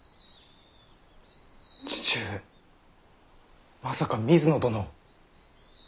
父上まさか水野殿を。